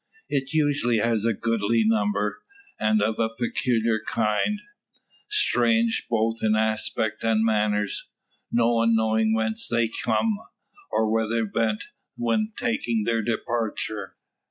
It usually has a goodly number, and of a peculiar kind strange both in aspect and manners no one knowing whence they come, or whither bent when taking their departure.